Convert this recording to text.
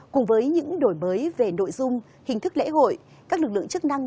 cùng với những đổi mới về nội dung hình thức lễ hội các lực lượng chức năng